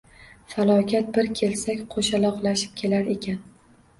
Falokat bir kelsa qo`shaloqlashib kelar ekan